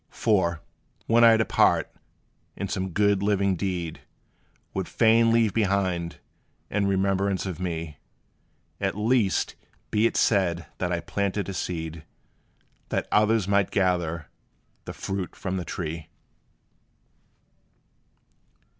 For, when I depart, and some good, living deed Would fain leave behind, in remembrance of me, At least, be it said that I planted a seed, That others might gather the fruit from the tree!